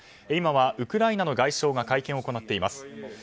今はウクライナの外相が会見を行っています。